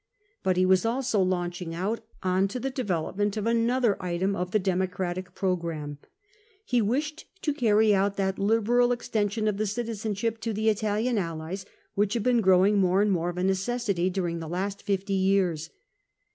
But he was also launching out on to the development of another item of the Democratic programme : he wished to carry out that liberal extension of the citizenship to the Italian allies which had been growing more and more of a necessity during the last fifty years.